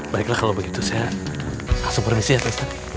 baiklah kalau begitu saya kasih permisi ya pak ustadz